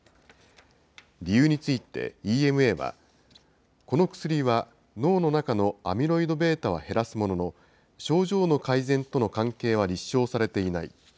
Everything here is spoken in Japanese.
理由についてＥＭＡは、この薬は、脳の中のアミロイドβは減らすものの、症状の改善との関係は立証されていない。